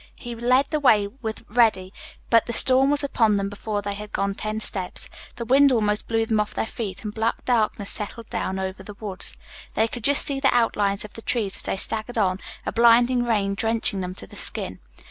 He led the way with Reddy, but the storm was upon them before they had gone ten steps. The wind almost blew them off their feet and black darkness settled down over the woods. They could just see the outlines of the trees as they staggered on, a blinding rain drenching them to the skin.